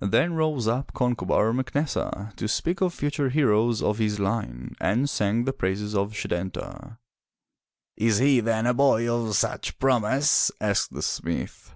Then rose up Concobar MacNessa to speak of future heroes of his line and sang the praises of Setanta. " Is he then a boy of such promise? *' asked the smith.